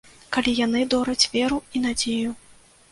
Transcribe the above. Калі яны дораць веру і надзею.